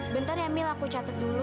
bentar ya mil aku catat dulu